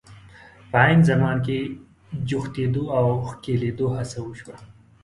په عین زمان کې جوختېدو او ښکلېدو هڅه وشوه.